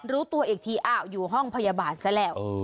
รู้ตัวอีกทีอ้าวอยู่ห้องพยาบาลซะแล้ว